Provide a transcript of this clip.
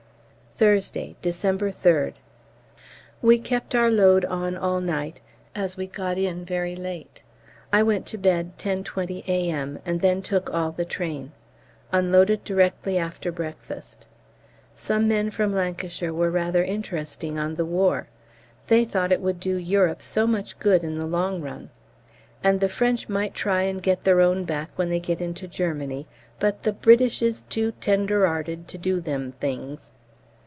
Thursday, December 3rd. We kept our load on all night, as we got in very late. I went to bed 10.20 A.M., and then took all the train: unloaded directly after breakfast. Some men from Lancashire were rather interesting on the war; they thought it would do Europe so much good in the long run. And the French might try and get their own back when they get into Germany, but "the British is too tender 'earted to do them things."